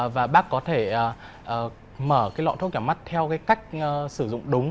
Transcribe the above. và bác có thể mở lọ thuốc nhỏ mắt theo cách sử dụng đúng